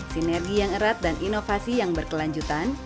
sinergi yang erat dan inovasi yang berkelanjutan